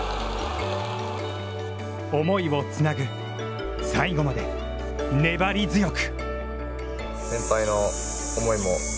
思いをつなぐ、最後まで粘り強く。